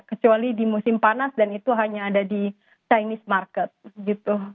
kecuali di musim panas dan itu hanya ada di chinese market gitu